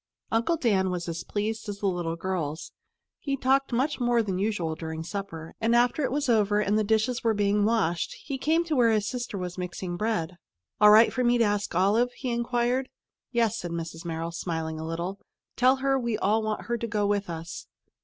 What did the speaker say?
Uncle Dan was as pleased as the little girls. He talked much more than usual during supper, and after it was over and the dishes were being washed, he came to where his sister was mixing bread. "All right for me to ask Olive?" he inquired. "Yes," said Mrs. Merrill, smiling a little. "Tell her we all want her to go with us."